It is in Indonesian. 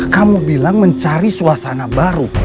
kamu bilang mencari suasana baru